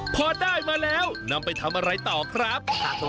พอได้มาแล้วนำไปทำอะไรต่อครับ